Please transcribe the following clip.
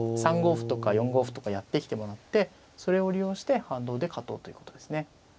３五歩とか４五歩とかやってきてもらってそれを利用して反動で勝とうということですね。